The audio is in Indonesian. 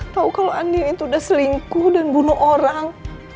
tahu kalau andi itu udah selingkuh dan bunuh orang